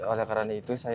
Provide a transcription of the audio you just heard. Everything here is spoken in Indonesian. oleh karena itu